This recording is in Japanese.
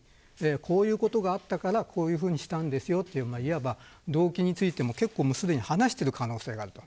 こういうことがあったからこういうふうにしたんですよといわば、動機についてもすでに話している可能性があります。